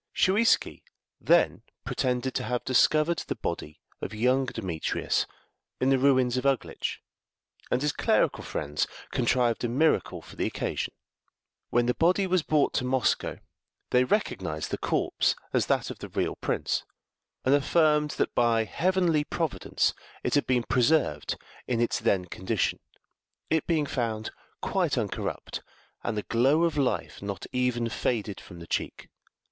Shuiski then pretended to have discovered the body of young Demetrius in the ruins of Uglitch, and his clerical friends contrived a miracle for the occasion. When the body was brought to Moscow, they recognized the corpse as that of the real prince, and affirmed that by heavenly providence it had been preserved in its then condition it being found quite uncorrupt, and the glow of life not even faded from the cheek.